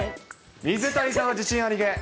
水谷さんは自信ありげ。